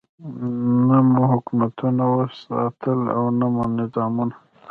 نه مو حکومتونه وساتل او نه مو نظامونه.